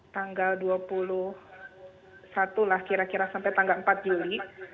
tanggal dua puluh satu lah kira kira sampai tanggal empat juli